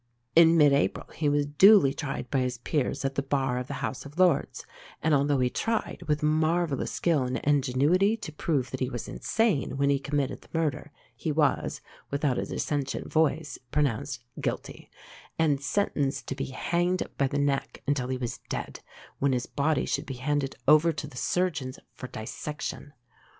In mid April he was duly tried by his Peers at the Bar of the House of Lords; and, although he tried with marvellous skill and ingenuity to prove that he was insane when he committed the murder, he was, without a dissentient voice, pronounced "Guilty," and sentenced to be "hanged by the neck until he was dead," when his body should be handed over to the surgeons for dissection.